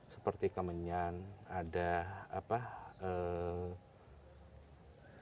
seperti kemenyan ada apa